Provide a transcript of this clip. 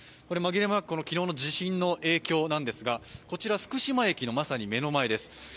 これ紛れもなく昨日の地震の影響なんですが、こちら福島駅のまさに目の前です。